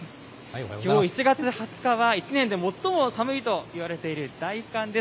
きょう１月２０日は、一年で最も寒いといわれている大寒です。